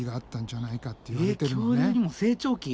恐竜にも成長期？